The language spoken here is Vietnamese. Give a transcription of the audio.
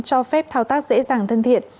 cho phép thao tác dễ dàng thân thiện